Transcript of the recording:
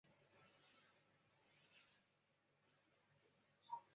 涩谷站西侧丘陵地的繁华街。